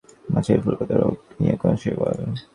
মাছের ফুলকাতে রোগ সৃষ্টি করে কোন শৈবাল?